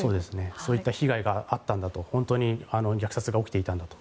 そういった被害があったんだと本当に虐殺が起きていたんだと。